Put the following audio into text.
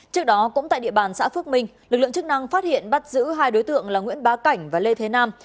trước đó cũng tại địa bàn xã phước minh lực lượng chức năng phát hiện bắt giữ hai đối tượng là nguyễn bá cảnh và lê thế nam